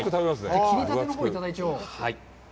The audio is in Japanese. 切りたてのほう、いただいちゃおう。